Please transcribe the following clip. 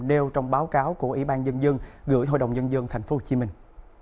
theo trong báo cáo của ủy ban dân dân gửi hội đồng nhân dân thành phố hồ chí minh